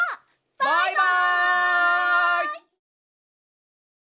バイバイ！